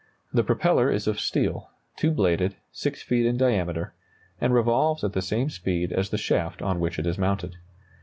The propeller is of steel, two bladed, 6 feet in diameter, and revolves at the same speed as the shaft on which it is mounted.